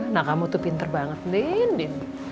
nah kamu tuh pinter banget dein din